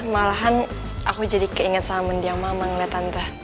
malahan aku jadi keinget sama dia mama ngeliat tante